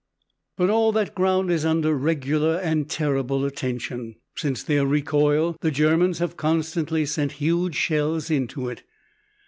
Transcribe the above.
But all that ground is under regular and terrible attention. Since their recoil, the Germans have constantly sent huge shells into it.